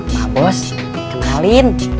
mas bos di kenalin